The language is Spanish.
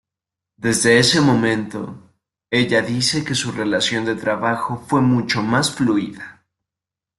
Desde ese momento, ella dice que su relación de trabajo fue mucho más fluida.